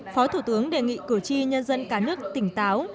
phó thủ tướng đề nghị cử tri nhân dân cả nước tỉnh táo